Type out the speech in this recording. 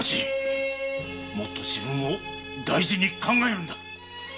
もっと自分を大事に考えろ。